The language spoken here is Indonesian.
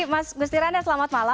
mas gusti randa selamat malam